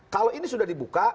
kalau ini sudah dibuka